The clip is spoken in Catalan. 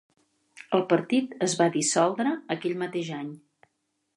El partit es va dissoldre aquell mateix any.